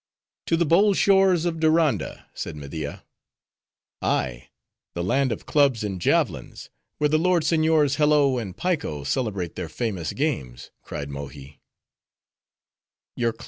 "To the bold shores of Diranda," said Media. "Ay; the land of clubs and javelins, where the lord seigniors Hello and Piko celebrate their famous games," cried Mohi.